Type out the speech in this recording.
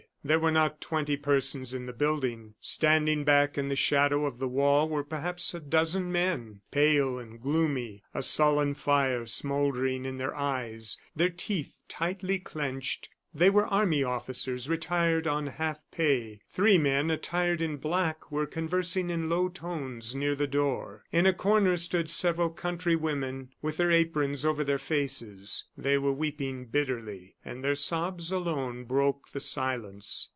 There were not twenty persons in the building. Standing back in the shadow of the wall were perhaps a dozen men, pale and gloomy, a sullen fire smouldering in their eyes, their teeth tightly clinched. They were army officers retired on half pay. Three men, attired in black, were conversing in low tones near the door. In a corner stood several country women with their aprons over their faces. They were weeping bitterly, and their sobs alone broke the silence.